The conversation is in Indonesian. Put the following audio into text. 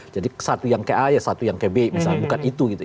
jadi satu yang kayak a ya satu yang kayak b misalnya bukan itu gitu